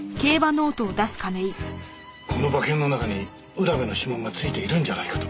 この馬券の中に浦部の指紋が付いているんじゃないかと。